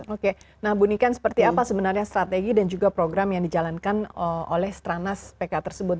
oke nah bu ini kan seperti apa sebenarnya strategi dan juga program yang dijalankan oleh serana spk tersebut